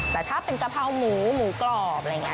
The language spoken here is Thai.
แต่ถ้าเป็นกะเพราหมูหมูกรอบอะไรอย่างนี้